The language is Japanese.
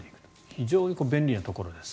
非常に便利なところです。